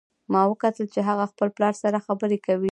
ما وکتل چې هغه خپل پلار سره خبرې کوي